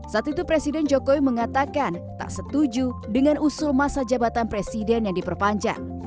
saat itu presiden jokowi mengatakan tak setuju dengan usul masa jabatan presiden yang diperpanjang